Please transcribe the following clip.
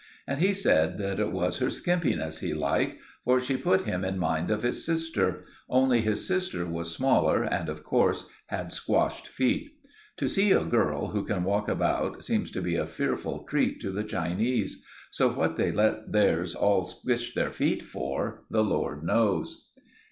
And he said that it was her skimpiness he liked, for she put him in mind of his sister—only his sister was smaller, and, of course, had squashed feet. To see a girl who can walk about seems to be a fearful treat to the Chinese; so what they let theirs all squash their feet for, the Lord knows.